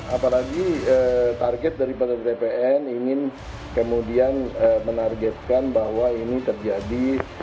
apalagi target daripada bpn ingin kemudian menargetkan bahwa ini terjadi